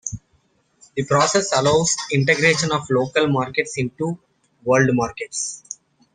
The process allows integration of local markets into world markets.